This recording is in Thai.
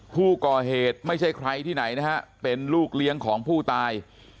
ผู้ก่อเหตุไม่ใช่ใครที่ไหนนะฮะเป็นลูกเลี้ยงของผู้ตาย